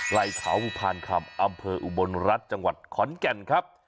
ไล่เขาอุพานคำอำเภออุบลรัฐจังหวัดขอนแก่นครับ